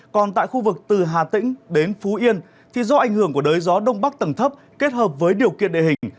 còn tại khu vực từ hà tĩnh đến phú yên thì do ảnh hưởng của đới gió đông bắc tầng thấp kết hợp với điều kiện địa hình